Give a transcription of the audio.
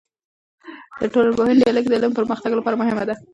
د ټولنپوه ديالوګ د علم د پرمختګ لپاره مهم دی.